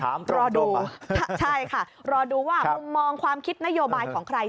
ถามตรงอ่ะใช่ค่ะรอดูว่ามองความคิดนโยบายของใคร